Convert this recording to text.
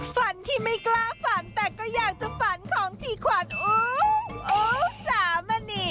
โปรดติดตามตอนต่อไป